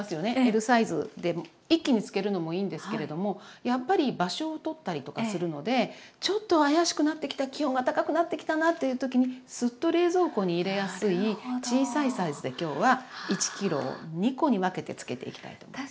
Ｌサイズで一気に漬けるのもいいんですけれどもやっぱり場所をとったりとかするのでちょっと怪しくなってきた気温が高くなってきたなという時にスッと冷蔵庫に入れやすい小さいサイズで今日は１ｋｇを２コに分けて漬けていきたいと思います。